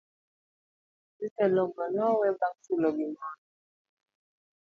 Jotelo go ne owe bang' chulo gimoro.